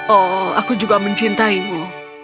oh aku juga mencintaimu